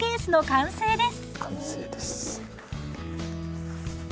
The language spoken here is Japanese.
完成です。